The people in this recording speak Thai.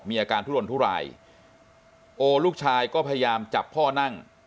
อาการทุลนทุรายโอลูกชายก็พยายามจับพ่อนั่ง